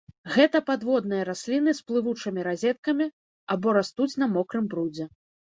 Гэта падводныя расліны з плывучымі разеткамі або растуць на мокрым брудзе.